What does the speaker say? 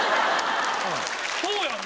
そうやんな。